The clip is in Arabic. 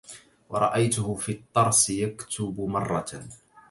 ورأيته في الطرس يكتب مرة